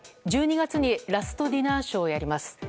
１２月にラストディナーショーをやります。